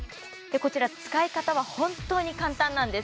こちら使い方は本当に簡単なんです